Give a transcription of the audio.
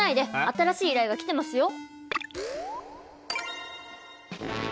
新しい依頼が来てますよ。